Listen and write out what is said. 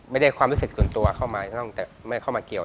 ไม่ได้ความรู้สึกส่วนตัวเข้ามาตั้งแต่ไม่เข้ามาเกี่ยว